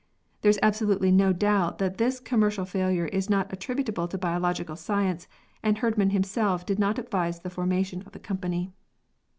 There is absolutely no doubt that this commercial failure is not attributable to biological science, and Herdman himself did not advise the formation of the company.